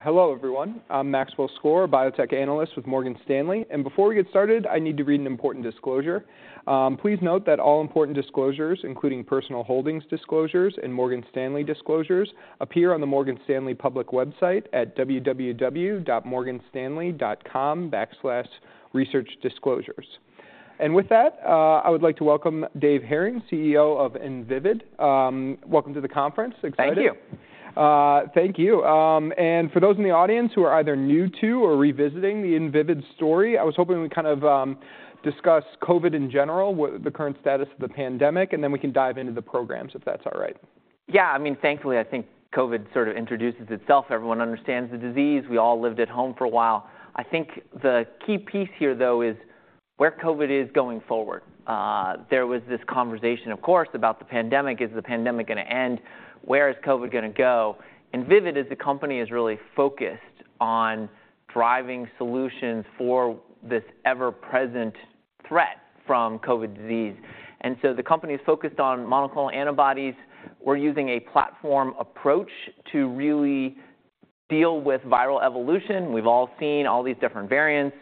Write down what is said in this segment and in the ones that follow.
Hello, everyone. I'm Maxwell Skor, biotech analyst with Morgan Stanley, and before we get started, I need to read an important disclosure. Please note that all important disclosures, including personal holdings disclosures and Morgan Stanley disclosures, appear on the Morgan Stanley public website at www.morganstanley.com/researchdisclosures. And with that, I would like to welcome Dave Hering, CEO of Invivyd. Welcome to the conference. Excited. Thank you. Thank you. And for those in the audience who are either new to or revisiting the Invivyd story, I was hoping we'd kind of discuss COVID in general, what the current status of the pandemic, and then we can dive into the programs, if that's all right. Yeah, I mean, thankfully, I think COVID sort of introduces itself. Everyone understands the disease. We all lived at home for a while. I think the key piece here, though, is where COVID is going forward. There was this conversation, of course, about the pandemic. Is the pandemic gonna end? Where is COVID gonna go? Invivyd as a company is really focused on driving solutions for this ever-present threat from COVID disease, and so the company is focused on monoclonal antibodies. We're using a platform approach to really deal with viral evolution. We've all seen all these different variants,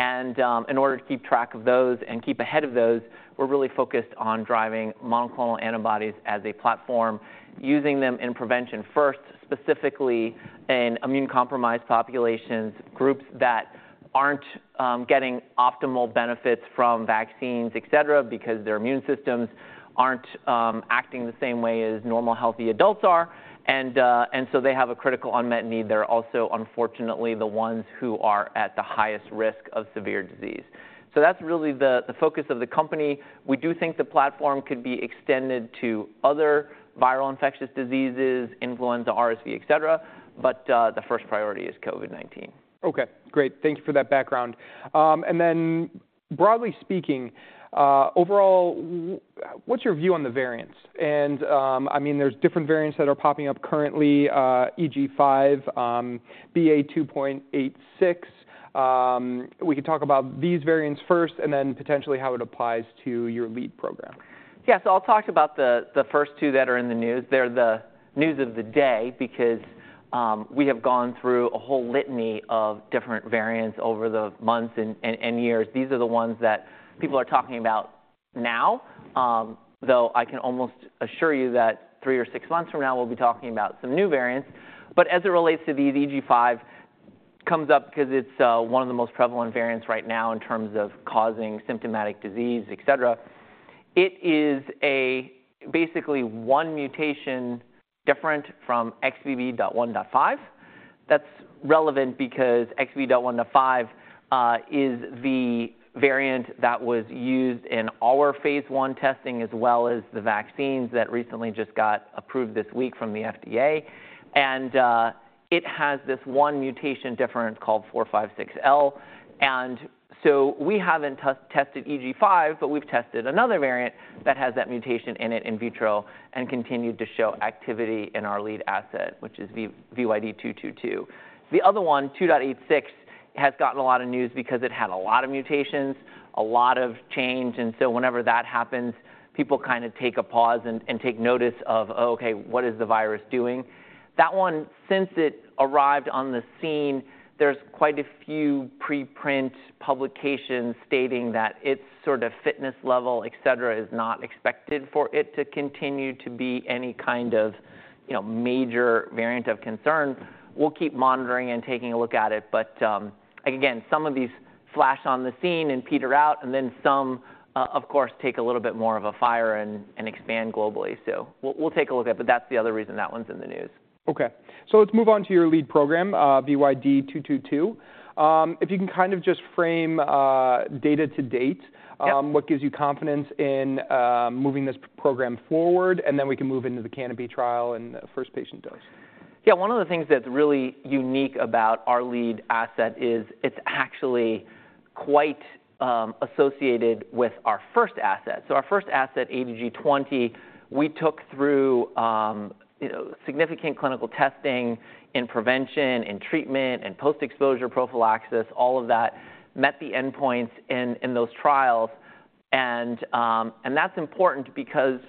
and in order to keep track of those and keep ahead of those, we're really focused on driving monoclonal antibodies as a platform, using them in prevention first, specifically in immune-compromised populations, groups that aren't getting optimal benefits from vaccines, et cetera, because their immune systems aren't acting the same way as normal, healthy adults are. And so they have a critical unmet need. They're also, unfortunately, the ones who are at the highest risk of severe disease. So that's really the focus of the company. We do think the platform could be extended to other viral infectious diseases, influenza, RSV, et cetera, but the first priority is COVID-19. Okay, great. Thank you for that background. And then broadly speaking, overall, what's your view on the variants? And, I mean, there's different variants that are popping up currently, EG.5, BA.2.86. We can talk about these variants first and then potentially how it applies to your lead program. Yeah, so I'll talk about the first two that are in the news. They're the news of the day because we have gone through a whole litany of different variants over the months and years. These are the ones that people are talking about now, though I can almost assure you that three or six months from now, we'll be talking about some new variants. But as it relates to the EG.5, comes up 'cause it's one of the most prevalent variants right now in terms of causing symptomatic disease, et cetera. It is basically one mutation different from XBB.1.5. That's relevant because XBB.1.5 is the variant that was used in our phase I testing, as well as the vaccines that recently just got approved this week from the FDA. It has this one mutation difference called F456L, and so we haven't tested EG.5, but we've tested another variant that has that mutation in it in vitro and continued to show activity in our lead asset, which is VYD222. The other one, 2.86, has gotten a lot of news because it had a lot of mutations, a lot of change, and so whenever that happens, people kind of take a pause and take notice of, "Oh, okay, what is the virus doing?" That one, since it arrived on the scene, there's quite a few preprint publications stating that its sort of fitness level, et cetera, is not expected for it to continue to be any kind of, you know, major variant of concern. We'll keep monitoring and taking a look at it, but again, some of these flash on the scene and peter out, and then some of course take a little bit more of a fire and expand globally. So we'll take a look at it, but that's the other reason that one's in the news. Okay, so let's move on to your lead program, VYD222. If you can kind of just frame data to date what gives you confidence in moving this program forward, and then we can move into the CANOPY trial and the first patient dose. Yeah, one of the things that's really unique about our lead asset is it's actually quite associated with our first asset. So our first asset, ADG20, we took through, you know, significant clinical testing in prevention, in treatment, in post-exposure prophylaxis, all of that, met the endpoints in those trials. And that's important because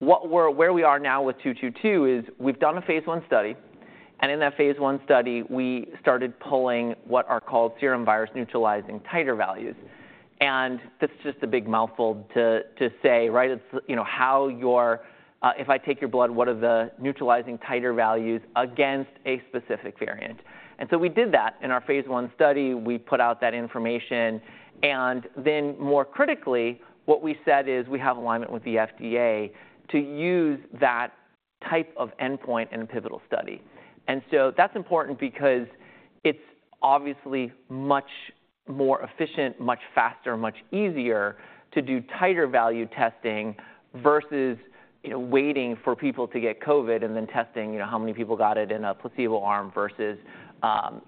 where we are now with 222 is we've done a phase I study, and in that phase I study, we started pulling what are called serum virus neutralizing titer values. And that's just a big mouthful to say, right? It's, you know, how your... If I take your blood, what are the neutralizing titer values against a specific variant? And so we did that in our phase I study. We put out that information, and then more critically, what we said is we have alignment with the FDA to use that type of endpoint in a pivotal study. And so that's important because it's obviously much more efficient, much faster, much easier to do titer value testing versus, you know, waiting for people to get COVID and then testing, you know, how many people got it in a placebo arm versus,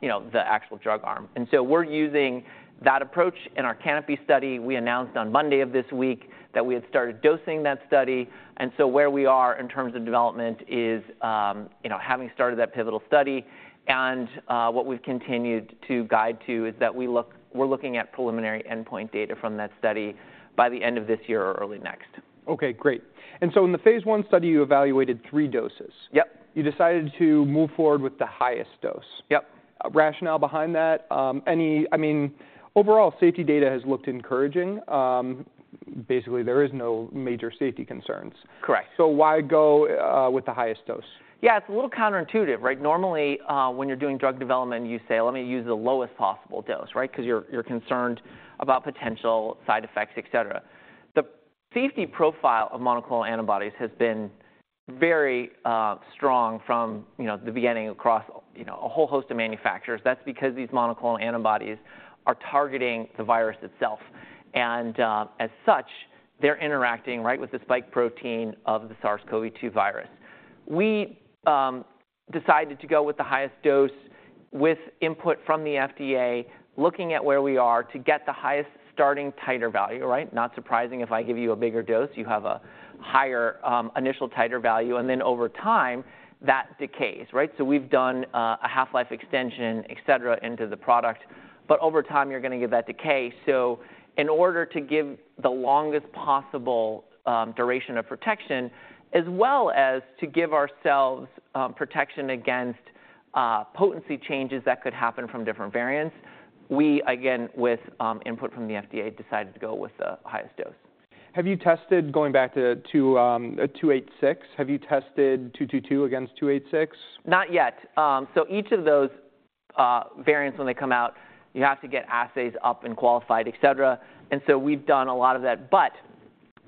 you know, the actual drug arm. And so we're using that approach in our CANOPY study. We announced on Monday of this week that we had started dosing that study, and so where we are in terms of development is, you know, having started that pivotal study, and, what we've continued to guide to is that we're looking at preliminary endpoint data from that study by the end of this year or early next. Okay, great. And so in the phase I study, you evaluated three doses. Yep. You decided to move forward with the highest dose? Yep. Rationale behind that? Any, I mean, overall, safety data has looked encouraging. Basically, there is no major safety concerns. Correct. So why go with the highest dose? Yeah, it's a little counterintuitive, right? Normally, when you're doing drug development, you say, "Let me use the lowest possible dose," right? 'Cause you're concerned about potential side effects, et cetera. The safety profile of monoclonal antibodies has been very strong from, you know, the beginning across, you know, a whole host of manufacturers. That's because these monoclonal antibodies are targeting the virus itself, and, as such, they're interacting right with the spike protein of the SARS-CoV-2 virus. We decided to go with the highest dose with input from the FDA, looking at where we are to get the highest starting titer value, right? Not surprising, if I give you a bigger dose, you have a higher initial titer value, and then over time, that decays, right? So we've done a half-life extension, et cetera, into the product, but over time, you're gonna get that decay. So, in order to give the longest possible duration of protection, as well as to give ourselves protection against potency changes that could happen from different variants, we, again, with input from the FDA, decided to go with the highest dose. Going back to 2.86, have you tested VYD222 against 2.86? Not yet. So each of those variants, when they come out, you have to get assays up and qualified, et cetera, and so we've done a lot of that. But,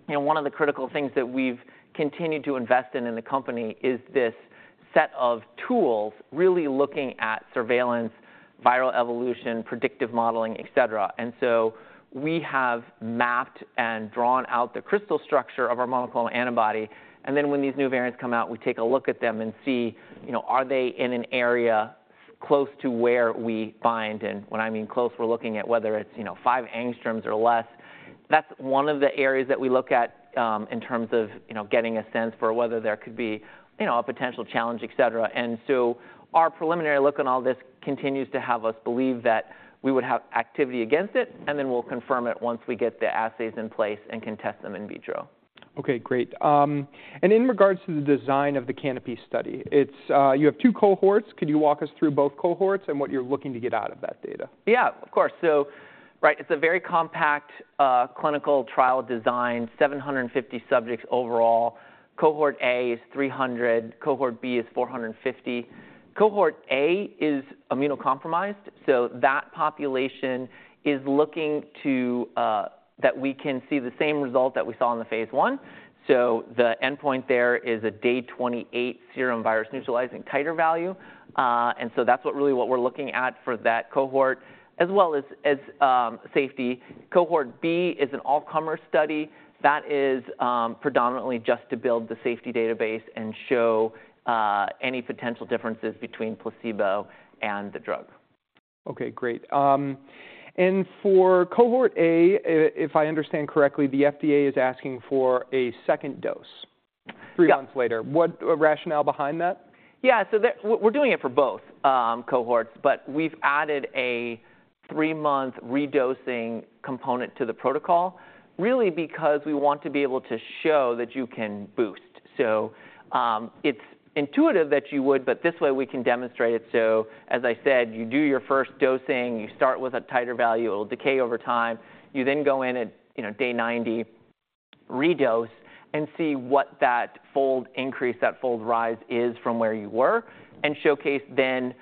you know, one of the critical things that we've continued to invest in in the company is this set of tools really looking at surveillance, viral evolution, predictive modeling, et cetera. And so we have mapped and drawn out the crystal structure of our monoclonal antibody, and then when these new variants come out, we take a look at them and see, you know, are they in an area close to where we bind? And when I mean close, we're looking at whether it's, you know, five angstroms or less. That's one of the areas that we look at, in terms of, you know, getting a sense for whether there could be, you know, a potential challenge, et cetera. And so our preliminary look on all this continues to have us believe that we would have activity against it, and then we'll confirm it once we get the assays in place and can test them in vitro. Okay, great. And in regards to the design of the CANOPY study, it's you have two cohorts. Could you walk us through both cohorts and what you're looking to get out of that data? Yeah, of course. So right, it's a very compact, clinical trial design, 750 subjects overall. Cohort A is 300, cohort B is 450. Cohort A is immunocompromised, so that population is looking to, that we can see the same result that we saw in the phase I. So the endpoint there is a day 28 serum virus neutralizing titer value. And so that's what really what we're looking at for that cohort, as well as safety. Cohort B is an all-comer study that is predominantly just to build the safety database and show any potential differences between placebo and the drug. Okay, great. And for cohort A, if I understand correctly, the FDA is asking for a second dose three months later. What rationale behind that? Yeah, so we're doing it for both cohorts, but we've added a three-month redosing component to the protocol, really because we want to be able to show that you can boost. So, it's intuitive that you would, but this way, we can demonstrate it. So as I said, you do your first dosing, you start with a titer value, it'll decay over time. You then go in at, you know, day 90 redose and see what that fold increase, that fold rise is from where you were, and showcase then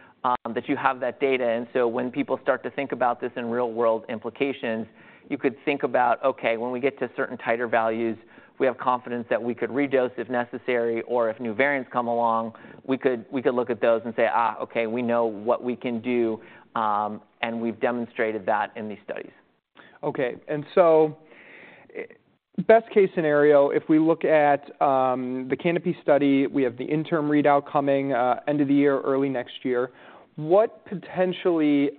that you have that data. When people start to think about this in real-world implications, you could think about, okay, when we get to certain titer values, we have confidence that we could redose if necessary, or if new variants come along, we could look at those and say, "Ah, okay, we know what we can do," and we've demonstrated that in these studies. Okay. And so, best-case scenario, if we look at the CANOPY study, we have the interim readout coming end of the year, early next year. What potentially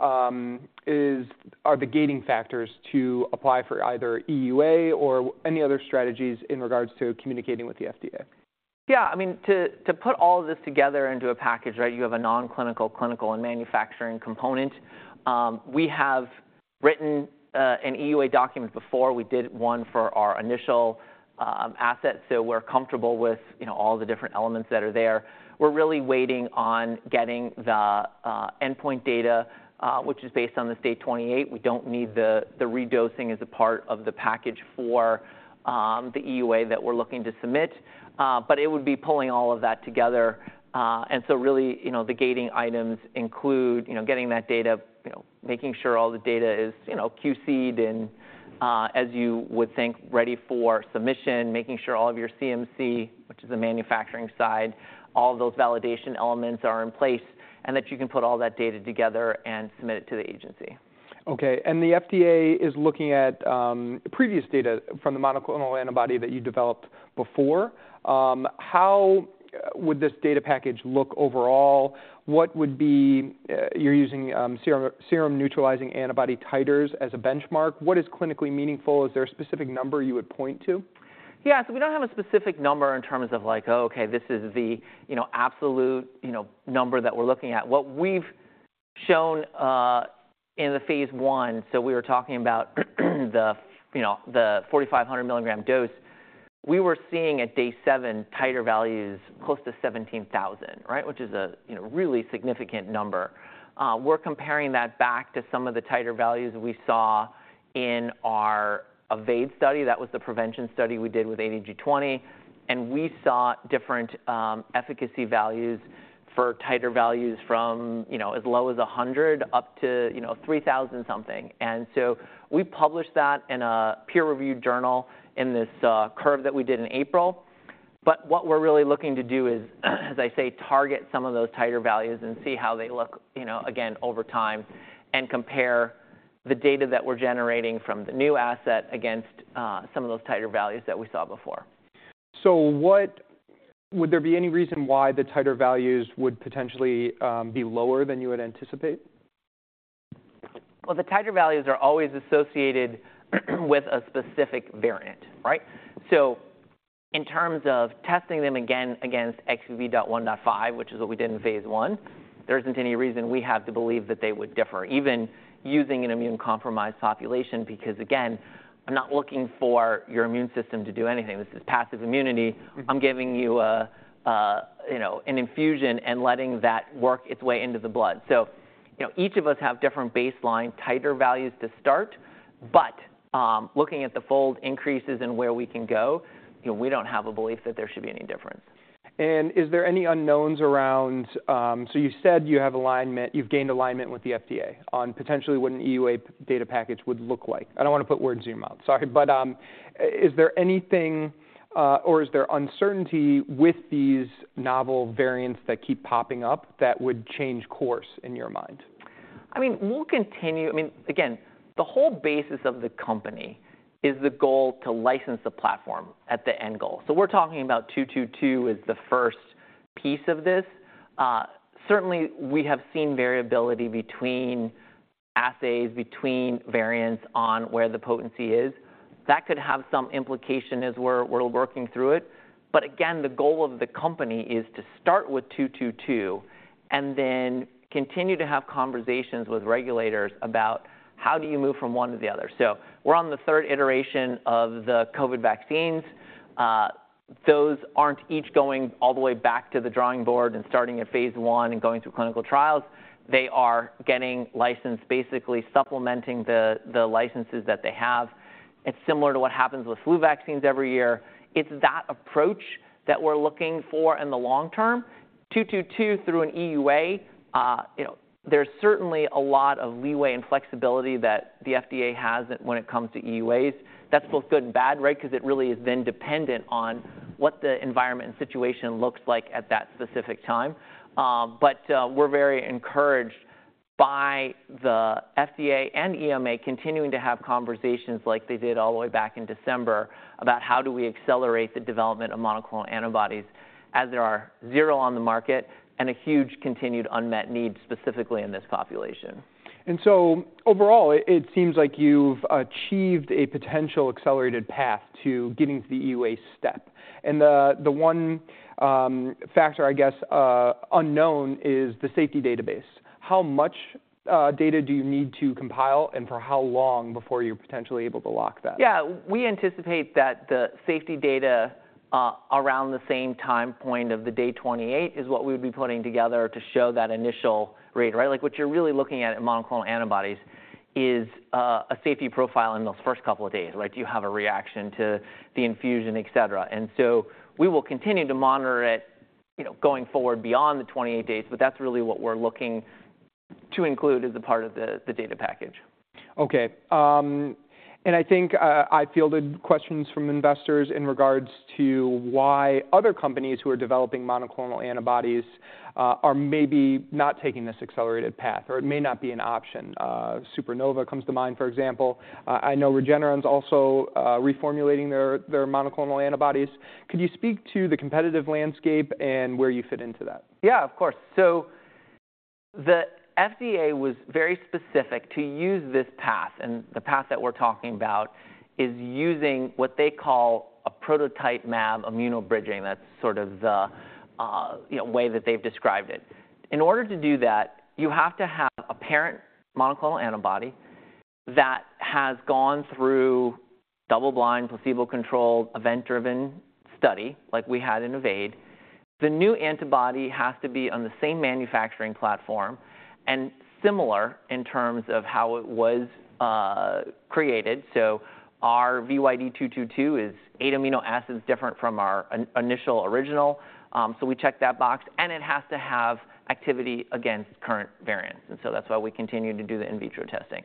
are the gating factors to apply for either EUA or any other strategies in regards to communicating with the FDA? Yeah, I mean, to put all of this together into a package, right, you have a non-clinical, clinical, and manufacturing component. We have written an EUA document before. We did one for our initial asset, so we're comfortable with, you know, all the different elements that are there. We're really waiting on getting the endpoint data, which is based on this day 28. We don't need the redosing as a part of the package for the EUA that we're looking to submit, but it would be pulling all of that together. So really, you know, the gating items include, you know, getting that data, you know, making sure all the data is, you know, QC'd and, as you would think, ready for submission, making sure all of your CMC, which is the manufacturing side, all of those validation elements are in place, and that you can put all that data together and submit it to the agency. Okay, and the FDA is looking at previous data from the monoclonal antibody that you developed before. How would this data package look overall? What would be... you're using serum-neutralizing antibody titers as a benchmark. What is clinically meaningful? Is there a specific number you would point to? Yeah, so we don't have a specific number in terms of, like, okay, this is the, you know, absolute, you know, number that we're looking at. What we've shown in the phase I, so we were talking about the, you know, the 4,500 mg dose, we were seeing at day seven titer values close to 17,000, right? Which is a, you know, really significant number. We're comparing that back to some of the titer values we saw in our EVADE study. That was the prevention study we did with ADG20, and we saw different efficacy values for titer values from, you know, as low as 100 up to, you know, 3,000 something. And so we published that in a peer-reviewed journal in this curve that we did in April. But what we're really looking to do is, as I say, target some of those titer values and see how they look, you know, again, over time and compare the data that we're generating from the new asset against some of those titer values that we saw before. So what, would there be any reason why the titer values would potentially be lower than you would anticipate? Well, the titer values are always associated with a specific variant, right? So in terms of testing them again against XBB.1.5, which is what we did in phase I, there isn't any reason we have to believe that they would differ, even using an immune-compromised population, because again, I'm not looking for your immune system to do anything. This is passive immunity. I'm giving you, you know, an infusion and letting that work its way into the blood. So, you know, each of us have different baseline titer values to start, but looking at the fold increases in where we can go, you know, we don't have a belief that there should be any difference. Is there any unknowns around? So you said you have alignment-- you've gained alignment with the FDA on potentially what an EUA data package would look like. I don't want to put words in your mouth, sorry, but, is there anything, or is there uncertainty with these novel variants that keep popping up that would change course in your mind? I mean, we'll continue. I mean, again, the whole basis of the company is the goal to license the platform at the end goal. So we're talking 222 as the first piece of this. Certainly, we have seen variability between assays, between variants on where the potency is. That could have some implication as we're working through it. But again, the goal of the company is to start with 222, and then continue to have conversations with regulators about how do you move from one to the other. So we're on the third iteration of the COVID vaccines. Those aren't each going all the way back to the drawing board and starting at phase I and going through clinical trials. They are getting licensed, basically supplementing the licenses that they have. It's similar to what happens with flu vaccines every year. It's that approach that we're looking for in the long term. 222 through an EUA, you know, there's certainly a lot of leeway and flexibility that the FDA has when it comes to EUAs. That's both good and bad, right? Because it really is, then dependent on what the environment and situation looks like at that specific time. But we're very encouraged by the FDA and EMA continuing to have conversations like they did all the way back in December about how do we accelerate the development of monoclonal antibodies, as there are zero on the market and a huge continued unmet need, specifically in this population. And so overall, it seems like you've achieved a potential accelerated path to getting to the EUA step. And the one factor, I guess, unknown, is the safety database. How much data do you need to compile, and for how long before you're potentially able to lock that? Yeah, we anticipate that the safety data around the same time point of the day 28 is what we would be putting together to show that initial rate, right? Like, what you're really looking at in monoclonal antibodies is a safety profile in those first couple of days, right? Do you have a reaction to the infusion, et cetera? And so we will continue to monitor it, you know, going forward beyond the 28 days, but that's really what we're looking to include as a part of the data package. Okay. I think I fielded questions from investors in regards to why other companies who are developing monoclonal antibodies are maybe not taking this accelerated path, or it may not be an option. SUPERNOVA comes to mind, for example. I know Regeneron's also reformulating their monoclonal antibodies. Could you speak to the competitive landscape and where you fit into that? Yeah, of course. So the FDA was very specific to use this path, and the path that we're talking about is using what they call a prototype mAb immunobridging. That's sort of the, you know, way that they've described it. In order to do that, you have to have a parent monoclonal antibody that has gone through double-blind, placebo-controlled, event-driven study, like we had in EVADE. The new antibody has to be on the same manufacturing platform and similar in terms of how it was created. So our VYD222 is eight amino acids different from our initial original, so we checked that box, and it has to have activity against current variants, and so that's why we continue to do the in vitro testing.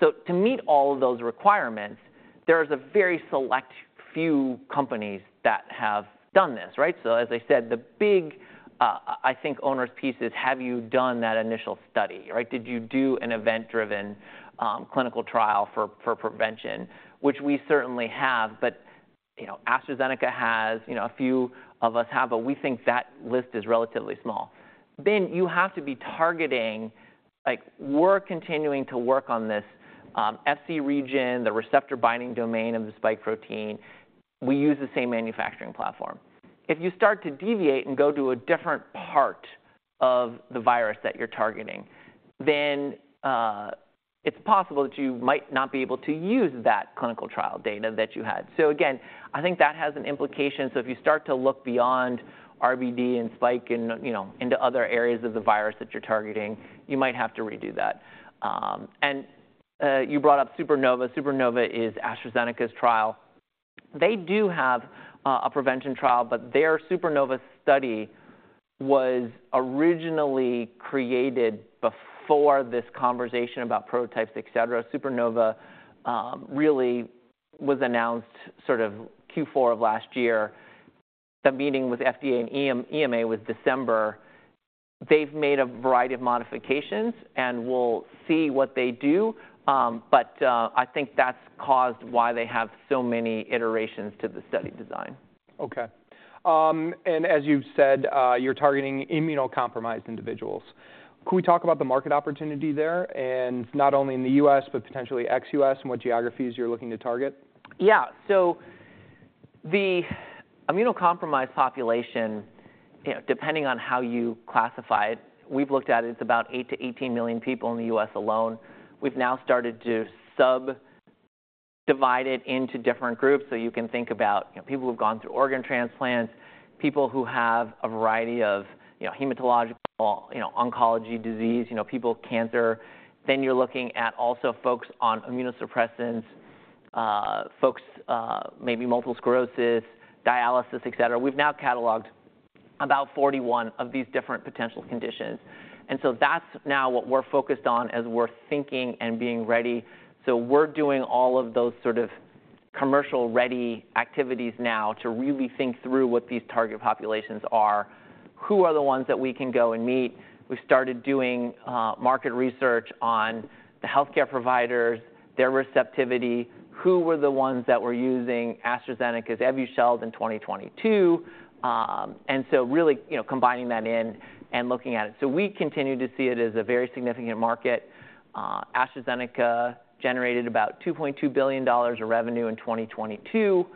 So to meet all of those requirements, there is a very select few companies that have done this, right? So as I said, the big, I think, owner's piece is have you done that initial study, right? Did you do an event-driven clinical trial for prevention, which we certainly have, but, you know, AstraZeneca has, you know, a few of us have, but we think that list is relatively small. Then you have to be targeting... Like, we're continuing to work on this, Fc region, the receptor binding domain of the spike protein. We use the same manufacturing platform. If you start to deviate and go to a different part of the virus that you're targeting, then, it's possible that you might not be able to use that clinical trial data that you had. So again, I think that has an implication. So if you start to look beyond RBD and spike and, you know, into other areas of the virus that you're targeting, you might have to redo that. And you brought up SUPERNOVA. SUPERNOVA is AstraZeneca's trial. They do have a prevention trial, but their SUPERNOVA study was originally created before this conversation about prototypes, et cetera. SUPERNOVA really was announced sort of Q4 of last year. The meeting with FDA and EMA was December. They've made a variety of modifications, and we'll see what they do, but I think that's caused why they have so many iterations to the study design. Okay. As you've said, you're targeting immunocompromised individuals. Could we talk about the market opportunity there, and not only in the U.S., but potentially ex-U.S., and what geographies you're looking to target? Yeah. So the immunocompromised population, you know, depending on how you classify it, we've looked at it, it's about 8-18 million people in the U.S. alone. We've now started to subdivide it into different groups. So you can think about, you know, people who've gone through organ transplants, people who have a variety of, you know, hematological, you know, oncology disease, you know, people with cancer. Then you're looking at also folks on immunosuppressants, folks, maybe multiple sclerosis, dialysis, et cetera. We've now cataloged about 41 of these different potential conditions, and so that's now what we're focused on as we're thinking and being ready. So we're doing all of those sort of commercial-ready activities now to really think through what these target populations are, who are the ones that we can go and meet. We started doing market research on the healthcare providers, their receptivity, who were the ones that were using AstraZeneca's Evusheld in 2022. And so really, you know, combining that in and looking at it. So we continue to see it as a very significant market. AstraZeneca generated about $2.2 billion of revenue in 2022,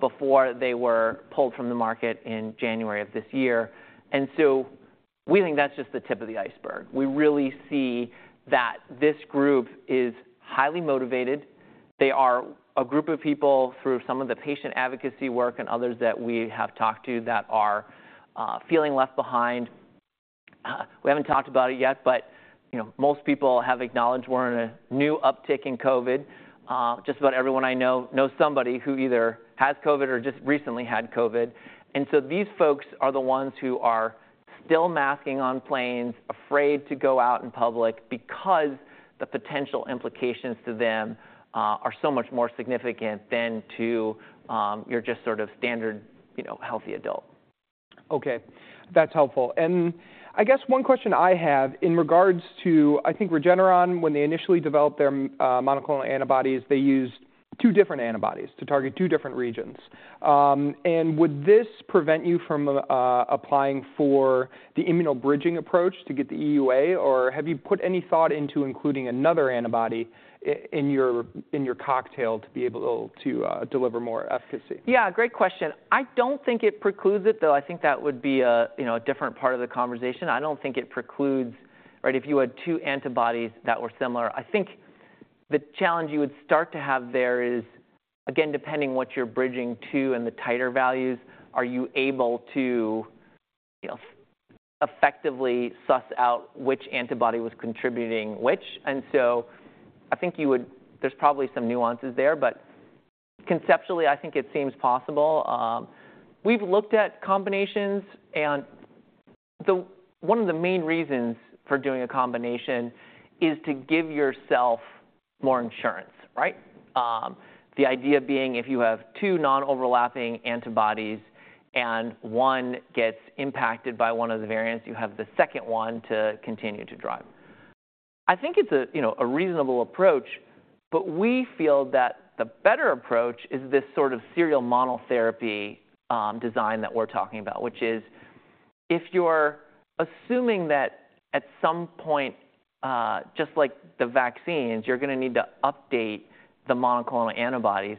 before they were pulled from the market in January of this year. And so we think that's just the tip of the iceberg. We really see that this group is highly motivated. They are a group of people through some of the patient advocacy work and others that we have talked to that are feeling left behind. We haven't talked about it yet, but, you know, most people have acknowledged we're in a new uptick in COVID. Just about everyone I know knows somebody who either has COVID or just recently had COVID. And so these folks are the ones who are still masking on planes, afraid to go out in public because the potential implications to them are so much more significant than to your just sort of standard, you know, healthy adult. Okay, that's helpful. I guess one question I have in regards to, I think, Regeneron, when they initially developed their monoclonal antibodies, they used two different antibodies to target two different regions. Would this prevent you from applying for the immunobridging approach to get the EUA, or have you put any thought into including another antibody in your cocktail to be able to deliver more efficacy? Yeah, great question. I don't think it precludes it, though I think that would be a, you know, a different part of the conversation. I don't think it precludes... Right, if you had two antibodies that were similar, I think the challenge you would start to have there is, again, depending what you're bridging to and the titer values, are you able to, you know, effectively suss out which antibody was contributing which? And so I think you would- there's probably some nuances there, but conceptually, I think it seems possible. We've looked at combinations, and the, one of the main reasons for doing a combination is to give yourself more insurance, right? The idea being if you have two non-overlapping antibodies and one gets impacted by one of the variants, you have the second one to continue to drive. I think it's a, you know, a reasonable approach, but we feel that the better approach is this sort of serial monotherapy design that we're talking about, which is if you're assuming that at some point, just like the vaccines, you're gonna need to update the monoclonal antibodies,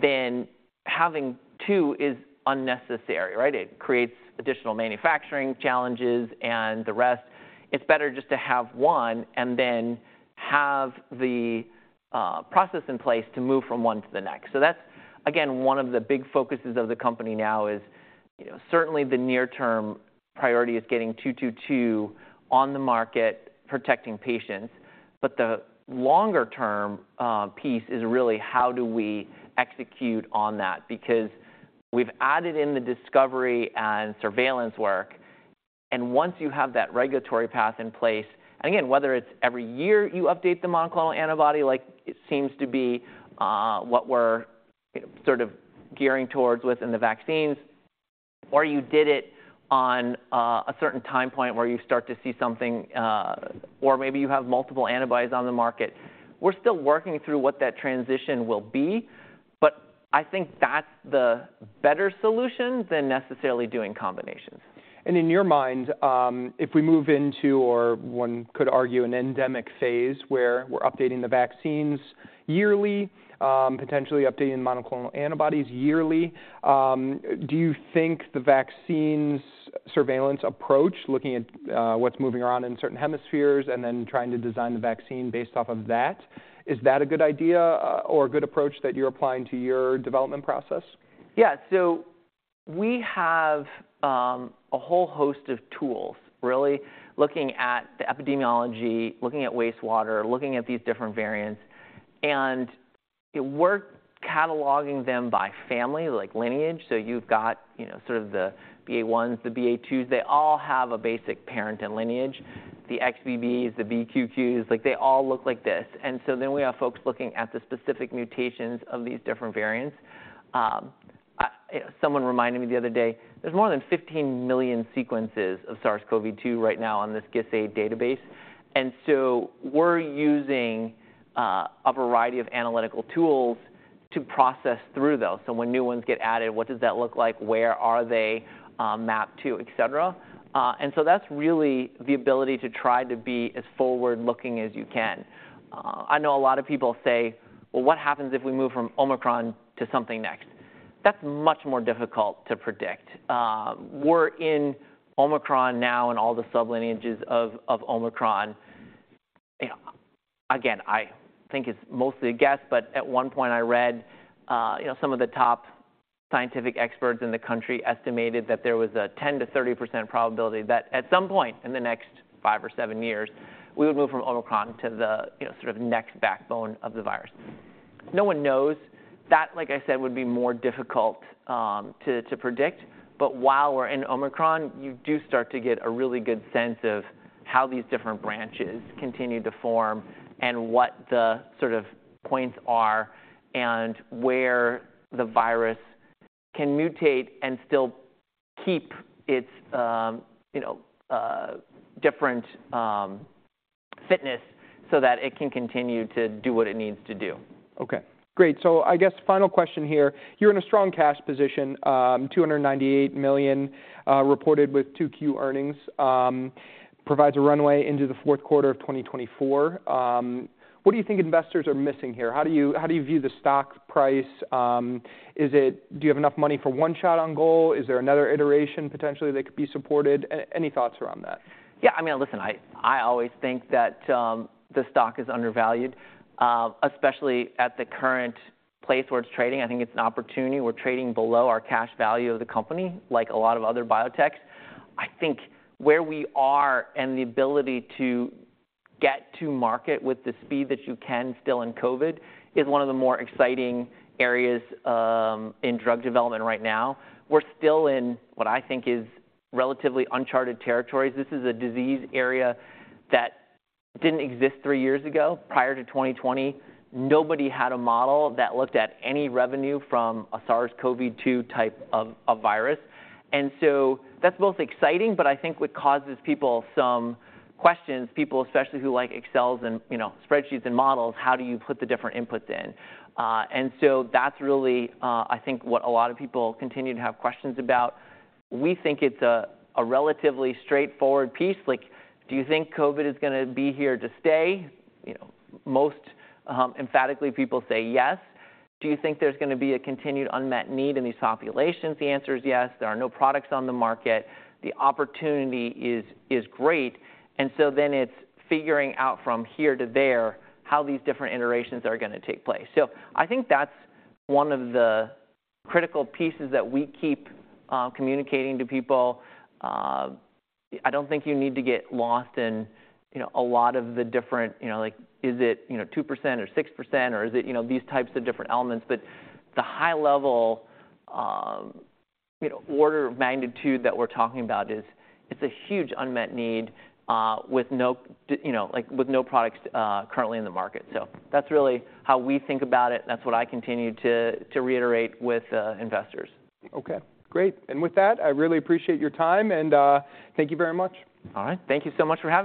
then having two is unnecessary, right? It creates additional manufacturing challenges and the rest. It's better just to have one and then have the process in place to move from one to the next. So that's, again, one of the big focuses of the company now is, you know, certainly the near-term priority is getting 222 on the market, protecting patients. But the longer-term piece is really how do we execute on that? Because we've added in the discovery and surveillance work, and once you have that regulatory path in place, and again, whether it's every year you update the monoclonal antibody, like it seems to be, what we're, you know, sort of gearing towards with in the vaccines, or you did it on a certain time point where you start to see something, or maybe you have multiple antibodies on the market. We're still working through what that transition will be, but I think that's the better solution than necessarily doing combinations. In your mind, if we move into, or one could argue, an endemic phase where we're updating the vaccines yearly, potentially updating monoclonal antibodies yearly, do you think the vaccines surveillance approach, looking at what's moving around in certain hemispheres and then trying to design the vaccine based off of that, is that a good idea or a good approach that you're applying to your development process? Yeah. So we have a whole host of tools, really looking at the epidemiology, looking at wastewater, looking at these different variants, and we're cataloging them by family, like lineage. So you've got, you know, sort of the BA.1s, the BA.2s. They all have a basic parent and lineage, the XBBs, the BQs, like, they all look like this. And so then we have folks looking at the specific mutations of these different variants. Someone reminded me the other day, there's more than 15 million sequences of SARS-CoV-2 right now on this GISAID database, and so we're using a variety of analytical tools to process through those. So when new ones get added, what does that look like? Where are they mapped to, et cetera? And so that's really the ability to try to be as forward-looking as you can. I know a lot of people say, "Well, what happens if we move from Omicron to something next?" That's much more difficult to predict. We're in Omicron now, and all the sublineages of Omicron. You know, again, I think it's mostly a guess, but at one point I read, you know, some of the top scientific experts in the country estimated that there was a 10%-30% probability that at some point in the next five or seven years, we would move from Omicron to the, you know, sort of next backbone of the virus. No one knows. That, like I said, would be more difficult to predict, but while we're in Omicron, you do start to get a really good sense of how these different branches continue to form and what the sort of points are and where the virus can mutate and still keep its, you know, different fitness, so that it can continue to do what it needs to do. Okay, great. So I guess final question here: You're in a strong cash position, $298 million reported with 2Q earnings, provides a runway into the fourth quarter of 2024. What do you think investors are missing here? How do you, how do you view the stock price? Is it? Do you have enough money for one shot on goal? Is there another iteration, potentially, that could be supported? Any thoughts around that? Yeah, I mean, listen, I always think that the stock is undervalued, especially at the current place where it's trading. I think it's an opportunity. We're trading below our cash value of the company, like a lot of other biotechs. I think where we are and the ability to get to market with the speed that you can still in COVID is one of the more exciting areas in drug development right now. We're still in what I think is relatively uncharted territories. This is a disease area that didn't exist three years ago. Prior to 2020, nobody had a model that looked at any revenue from a SARS-CoV-2 type of virus. And so that's both exciting, but I think what causes people some questions, people especially who like Excel and, you know, spreadsheets and models, how do you put the different inputs in? And so that's really, I think, what a lot of people continue to have questions about. We think it's a relatively straightforward piece, like, do you think COVID is gonna be here to stay? You know, most emphatically, people say yes. Do you think there's gonna be a continued unmet need in these populations? The answer is yes. There are no products on the market. The opportunity is great, and so then it's figuring out from here to there how these different iterations are gonna take place. So I think that's one of the critical pieces that we keep communicating to people. I don't think you need to get lost in, you know, a lot of the different, you know, like, is it, you know, 2% or 6%, or is it, you know, these types of different elements? But the high level, you know, order of magnitude that we're talking about is, it's a huge unmet need, with no, you know, like, with no products currently in the market. So that's really how we think about it, and that's what I continue to reiterate with investors. Okay, great. With that, I really appreciate your time, and thank you very much. All right. Thank you so much for having me.